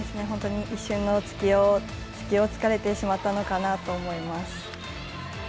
本当に一瞬の隙を突かれてしまったのかなと思います。